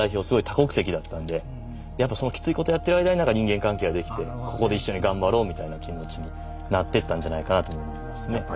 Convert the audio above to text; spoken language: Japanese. すごい多国籍だったんでやっぱりそのきついことをやってる間に人間関係ができてここで一緒に頑張ろうみたいな気持ちになってったんじゃないかなと思いますね。